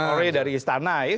teroris dari istana